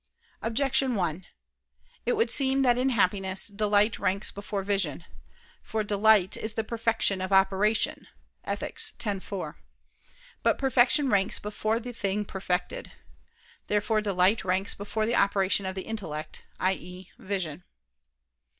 Objection 1: It would seem that in happiness, delight ranks before vision. For "delight is the perfection of operation" (Ethic. x, 4). But perfection ranks before the thing perfected. Therefore delight ranks before the operation of the intellect, i.e. vision.